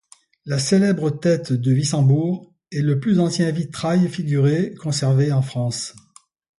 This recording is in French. La célèbre tête de Wissembourg est le plus ancien vitrail figuré conservé en France.